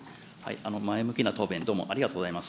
前向きな答弁、どうもありがとうございます。